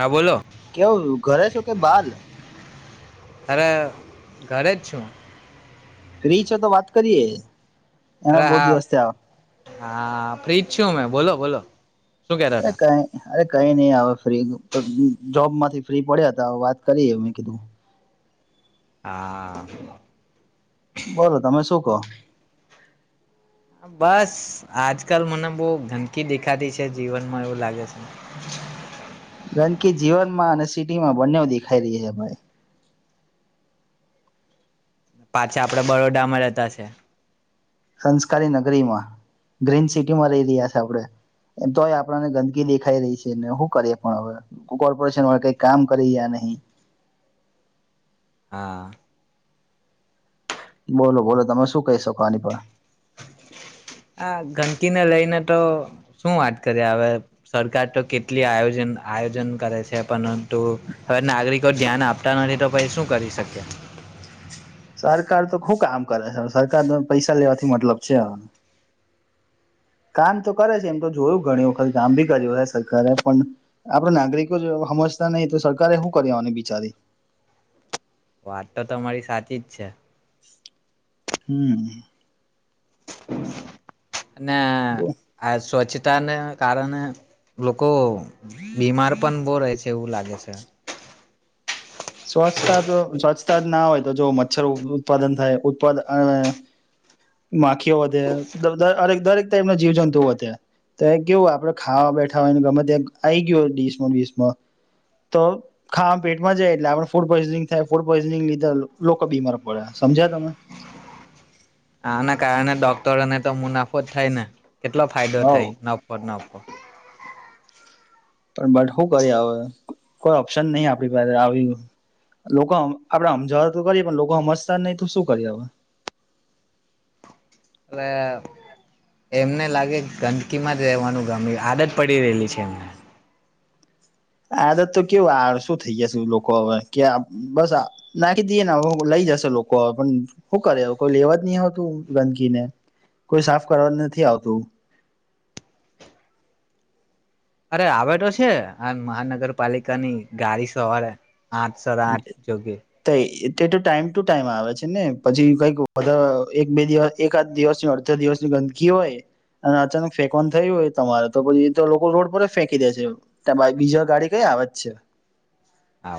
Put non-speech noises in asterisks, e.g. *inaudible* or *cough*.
હા બોલો કેવું ઘરે છો કે બાર? અરે ઘરે જ છું. ફ્રી છો તો વાત કરીએ. એમે અરે બહુ હા દિવસ થયા હા ફ્રિજ શું મે બોલો બોલો શું કેતા એટલે હતા કઈ નહિ અરે કઈ નહી આવે ફ્રી જોબમાંથી ફ્રી પડ્યા હતા વાત કરીએ મેં કીધું હા બોલો તમે શું કહો બસ આજકાલ મને બહુ ગંદકી દેખાતી છે જીવનમાં એવું લાગે છે. ગંદકી જીવનમાં અને સિટીમાં બંને દેખાઈ રહી છે ભાઈ પાછા આપડા બરોડા માં રહતા છે. સંસ્કારી નગરીમાં ગ્રીન સિટીમાં રહી રહ્યા છે આપણે એમ તોય આપણાને ગંદકી દેખાઈ રહી છે ને શું કરીએ પણ હવે કોર્પોરેશન વાળા કઈ કામ કરી રહ્યા નહી હા બોલો બોલો તમે શું કહી શકો આની પર હા ગંદકીને લઈને તો શું વાત કરીએ હવે સરકાર તો કેટલી આયોજન આયોજન કરે છે પરંતુ હવે નાગરિકો ધ્યાન આપતા નથી તો પછ શું કરી શકે સરકાર તો શું કામ કરે છે સરકાર તો પૈસા લેવાથી મતલબ છે કામ તો કરે છે એમ તો જોયું ગણીવખત કામ બી કર્યું સરકારે પણ આપડ નાગરિકો જો સમજતા નહી તો સરકારે શું કરી લેવાનું બિચારી વાત તો તમારી સાચી જ છે. હમ અને આ સ્વચિત તાને કારણે લોકો બીમાર પણ બો રહે છે એવું લાગે છે. સ્વચ્છતા તો સ્વચ્છતા જ ના હોય તો જો મચ્છર ઉત્પાદન થાયપા માખીઓ વધેરેક દરેક ટાઈપ ના જીવ જંતુ વધે તો એ કેવું આપડે ખાવા બેઠા હોયને ગમે ત્યાં આવી ગયું હોય ડીસમાંબિસમા તો ખાવા પેટમાં જાય એટલે આપ ફૂડ પોઈઝનિંગ થાય ફૂડ પોઈઝનિંગ લીધે લોકો બીમાર પડે સમજ્યા તમે આના કારણે ડોક્ટરોને તો મુનાફો થાય ને કેટલો ફાયદો હવ થાય નફ ન *inaudible* પણ બટ શું કરી હ કોઈ ઓપ્શન નહી આપણી પાસે આવી લોકો આપડે સમજવા તો કરી પણ લોકો સમજતા નહી તો શું કરીએ હવ એવે એમને લાગે ગ કિંમા રહેવાનું ગામ્યું આદત પડી રહેલી છે એમને આદત તો કેવું આ શું થઈ જશે લોકો હવે કે બસ નાખી દઈ ને લઈ જશે લોકો હવે પણ શું કરે કોઈ લેવા જ નહી આવતું ગંદકીને કોઈ સાફ કરવા નથી આવતું અરે આવે તો છે આ મહાનગરપાલિકા ની ગાડી સવારે આઠ સાઢા આઠ જોગે તે તો ટાઈમ ટુ ટાઈમ આવે છે ને પછી કઈક બધા એક બે દિવસ એકાદ આ દિવસની ગંદકી હોય અને અચાનક ફેંકવાનું થય હોય તમારે તો પછી એ તો લોકો રોડ પર જ ફેંકી દે છે ત્યાં બીજા ગાડી કઈ આવે જ છે આવે